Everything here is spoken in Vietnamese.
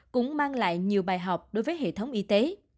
cũng mang lại nhiều bài học đối với hệ thống y tế